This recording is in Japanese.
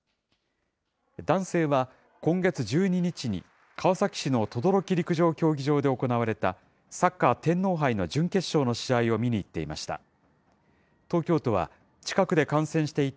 男性は今月１２日に、川崎市の等々力陸上競技場で行われたサッカー天皇杯の準決勝の試合を見に行っていました。